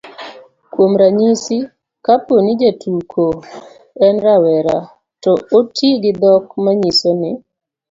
kuom ranyisi, kapo ni jatuko en rawera, to oti gi dhok manyiso ni